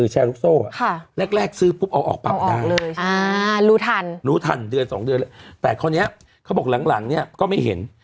แชรุปโซ่แรกซื้อปุ๊บเอาออกปรากฎาอ่ารู้ทันรู้ทันเดือน๒เดือนแต่เขาเนี่ยเขาบอกหลังเนี่ยก็ไม่เห็น